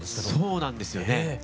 そうなんですよねはい。